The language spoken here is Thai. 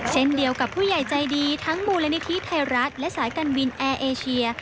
เช่นเดียวกับผู้ใหญ่ใจดีทั้งมูลนิธิไทยรัฐและสายการบินแอร์เอเชีย